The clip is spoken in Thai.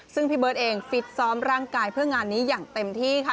ซึ่งพี่เบิร์ตเองฟิตซ้อมร่างกายเพื่องานนี้อย่างเต็มที่ค่ะ